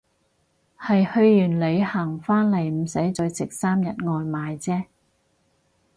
係去完旅行返嚟唔使再食三日外賣姐